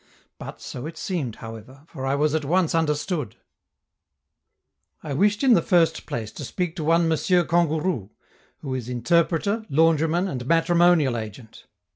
But so it seemed, however, for I was at once understood. I wished in the first place to speak to one M. Kangourou, who is interpreter, laundryman, and matrimonial agent.